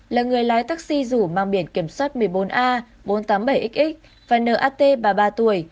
là người lái taxi rủ mang biển kiểm soát một mươi bốn a bốn trăm tám mươi bảy x và nat ba mươi ba tuổi